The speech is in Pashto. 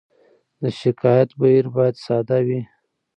د شکایت بهیر باید ساده وي.